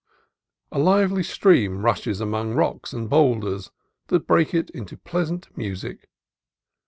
A lively stream rushes among rocks and boulders that break it into pleasant music.